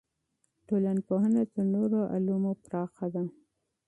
ټولنپوهنه تر نورو علومو پراخه ده.